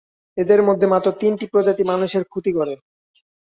এদের মধ্যে মাত্র তিনটি প্রজাতি মানুষের ক্ষতি করে।